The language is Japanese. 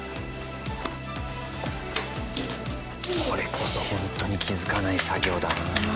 これこそホントに気づかない作業だな。